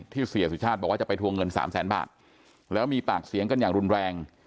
เสียสุชาติบอกว่าจะไปทวงเงินสามแสนบาทแล้วมีปากเสียงกันอย่างรุนแรง